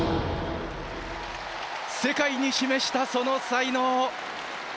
世界に示したその才能を。